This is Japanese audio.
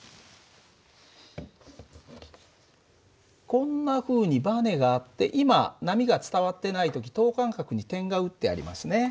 こんなふうにバネがあって今波が伝わってない時等間隔に点が打ってありますね。